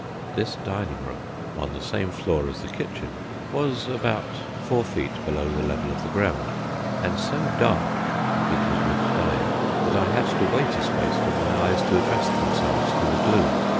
This dining room, on the same floor as the kitchen, was about four feet below the level of the ground, and so dark (it was midday) that I had to wait a space for my eyes to adjust themselves to the gloom.